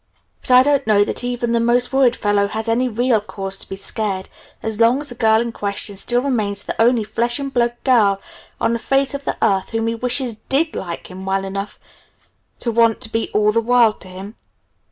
But I don't know that even the most worried fellow has any real cause to be scared, as long as the girl in question still remains the only flesh and blood girl on the face of the earth whom he wishes did like him well enough to want to be 'all the world' to him."